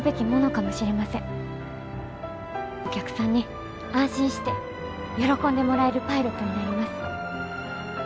お客さんに安心して喜んでもらえるパイロットになります。